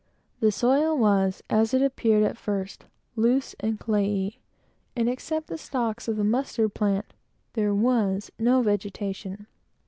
The soil was as it appeared at first, loose and clayey, and except the stalks of the mustard plant, there was no vegetation.